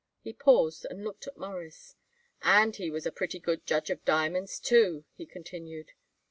He paused and looked at Morris. "And he was a pretty good judge of diamonds, too," he continued.